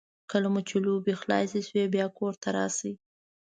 کله مو چې لوبې خلاصې شوې بیا کور ته راشئ.